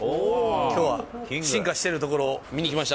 きょうは進化しているところを見にきました。